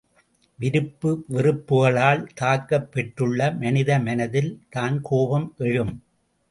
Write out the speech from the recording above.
விருப்பு வெறுப்புக்களால் தாக்கப் பெற்றுள்ள மனித மனத்தில் தான் கோபம் எழும்!